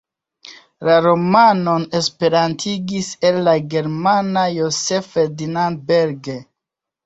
La romanon esperantigis el la germana Joseph Ferdinand Berger.